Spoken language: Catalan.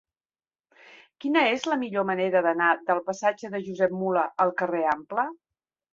Quina és la millor manera d'anar del passatge de Josep Mula al carrer Ample?